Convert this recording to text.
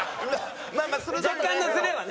若干のズレはね。